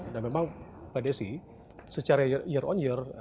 dan memang pak desi secara year on year